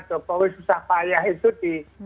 jokowi susah payah itu di